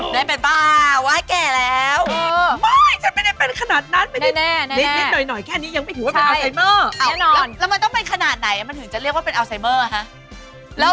ไม่คิดอะไรอยู่